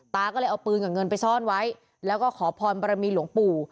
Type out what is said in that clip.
ก็เลยเอาปืนกับเงินไปซ่อนไว้แล้วก็ขอพรบรมีหลวงปู่